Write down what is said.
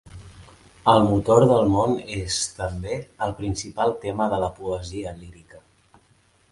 El motor del món és, també, el principal tema de la poesia lírica.